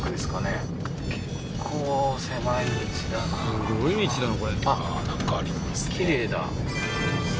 すごい道だな